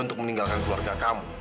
untuk meninggalkan keluarga kamu